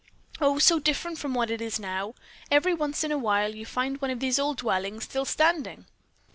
Oh, so different from what it is now! Every once in a while you find one of these old dwellings still standing.